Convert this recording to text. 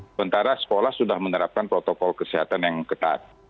sementara sekolah sudah menerapkan protokol kesehatan yang ketat